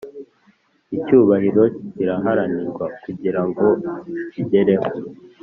Icyubahiro kiraharanirwa kugirango ukigereho